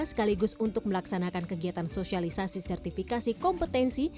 sekaligus untuk melaksanakan kegiatan sosialisasi sertifikasi kompetensi